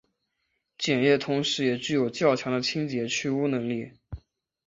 碱液同时也具有较强的清洁去污功能。